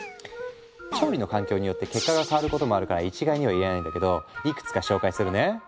調理の環境によって結果が変わることもあるから一概には言えないんだけどいくつか紹介するね。